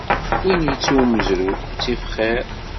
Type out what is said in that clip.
Win ittu umezruy, ttif xiṛ.